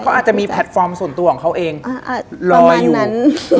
เขาอาจจะมีแพลตฟอร์มส่วนตัวของเขาเองรออยู่นั้น